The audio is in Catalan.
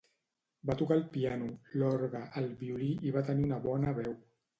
Va tocar el piano, l'orgue, el violí i va tenir una bona veu.